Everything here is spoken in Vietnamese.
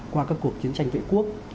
qua các cuộc chiến tranh vệ quốc